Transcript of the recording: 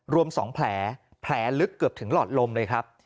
รวม๒แผลแผลลึกเกือบถึงหลอดลมเลยครับ